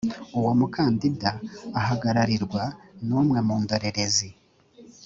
uwo mukandida ahagararirwa n’umwe mu ndorerezi